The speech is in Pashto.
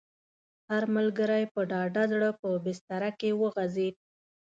هر ملګری په ډاډه زړه په بستره کې وغځېد.